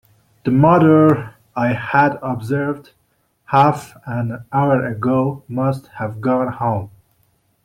The motor I had observed half an hour ago must have gone home.